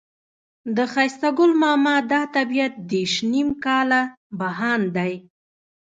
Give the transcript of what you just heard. د ښایسته ګل ماما دا طبيعت دېرش نيم کاله بهاند دی.